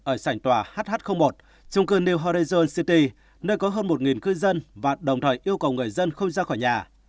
ở sảnh tòa hh một chung cư new harrison city nơi có hơn một cư dân và đồng thời yêu cầu người dân không ra khỏi nhà